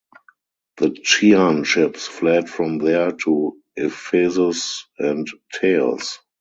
The Chian ships fled from there to Ephesus and Teos.